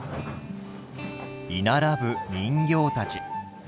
居並ぶ人形たち。